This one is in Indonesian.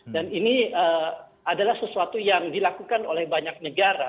dan ini adalah sesuatu yang dilakukan oleh banyak negara